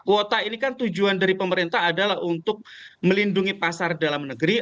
kuota ini kan tujuan dari pemerintah adalah untuk melindungi pasar dalam negeri